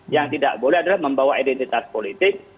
yang tidak boleh adalah membawa identitas politik